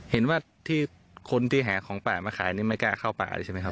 เห็นว่าที่คนที่หาของป่ามาขายนี่ไม่กล้าเข้าป่าเลยใช่ไหมครับ